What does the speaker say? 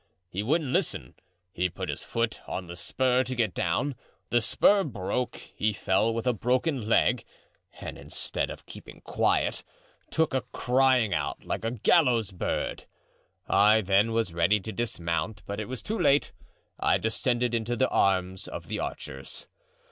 He wouldn't listen, put his foot on the spur to get down, the spur broke, he fell with a broken leg, and, instead of keeping quiet, took to crying out like a gallows bird. I then was ready to dismount, but it was too late; I descended into the arms of the archers.